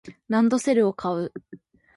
ランドセルを買う